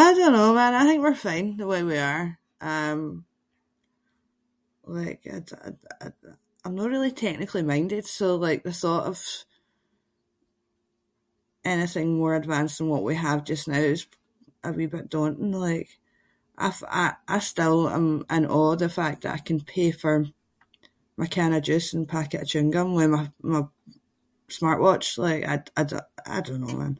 I don’t know man, I think we’re fine the way we are. Um, like I don- I- I’m no really technically minded so like the thought of anything more advanced that what we have just now is a wee bit daunting. Like I’ve- I- I still am in awe of the fact that I can pay for my can of juice and packet of chewing gum with my- my smart watch like I don- I- I don’t know man.